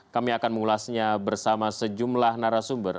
kami akan mengulasnya bersama sejumlah narasumber